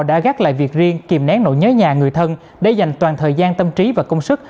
cũng phải việc riêng kiềm nén nỗi nhớ nhà người thân để dành toàn thời gian tâm trí và công sức